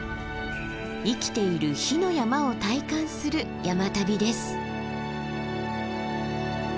生きている火の山を体感する山旅です。